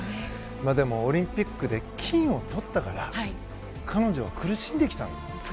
でも、オリンピックで金を取ったから彼女は苦しんできた。